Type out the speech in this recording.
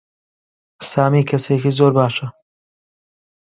سامی کەسێکی زۆر باشە.